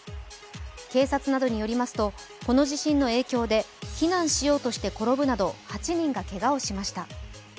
警察などによりますと、この地震の影響で、避難しようとして転ぶなど８人がけがをしました。